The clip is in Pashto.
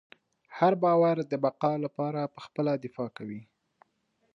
هر باور د بقا لپاره پخپله دفاع کوي.